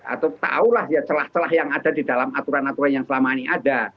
atau tahulah ya celah celah yang ada di dalam aturan aturan yang selama ini ada